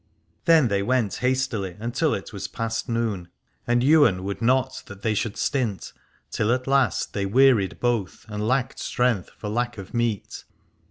Then they went hastily until it was past noon, and Ywain would not that they should stint, till at last they wearied both, and lacked strength for lack of meat.